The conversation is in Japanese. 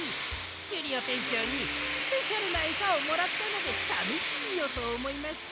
キュリオてんちょうにスペシャルなエサをもらったのでためしてみようとおもいまして。